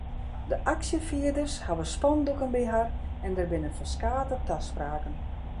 De aksjefierders hawwe spandoeken by har en der binne ferskate taspraken.